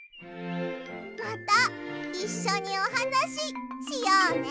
またいっしょにおはなししようね。